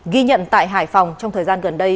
ghi nhận tại hải phòng trong thời gian gần đây